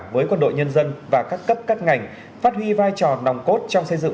với quân đội nhân dân và các cấp các ngành phát huy vai trò nòng cốt trong xây dựng